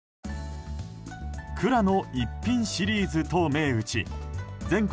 くらの逸品シリーズと銘打ち全国